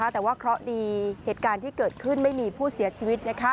แต่ว่าเคราะห์ดีเหตุการณ์ที่เกิดขึ้นไม่มีผู้เสียชีวิต